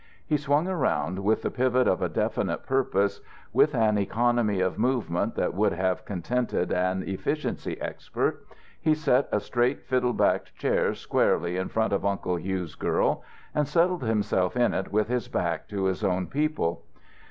He swung around with the pivot of a definite purpose. With an economy of movement that would have contented an efficiency expert he set a straight fiddle backed chair squarely in front of Uncle Hugh's girl and settled himself in it with his back to his own people.